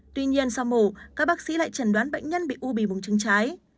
tuy nhiên sau mổ các bác sĩ lại trần đoán bệnh nhân bị u bì bùng trứng trái